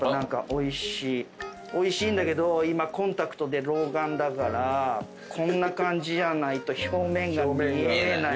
おいしいんだけど今コンタクトで老眼だからこんな感じじゃないと表面が見えない。